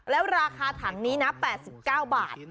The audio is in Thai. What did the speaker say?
แล้วราคาถังนี้นะ๘๙บาท